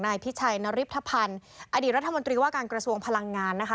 นายพิชัยนริพพันธ์อดีตรัฐมนตรีว่าการกระทรวงพลังงานนะคะ